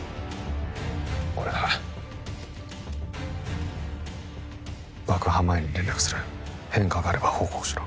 これが「爆破前に連絡する変化があれば報告しろ」